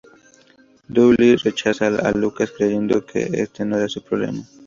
Doyle rechaza a Lucas, creyendo que este no era su problema.